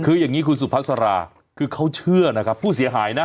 คือยังงี้คุณสุพักษราคือเขาเชื่อนะคะผู้เสียหายนะ